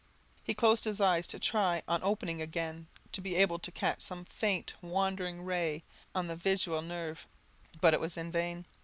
He closed his eyes, to try, on opening them again, to be able to catch some faint, wandering ray on the visual nerve; but it was in vain.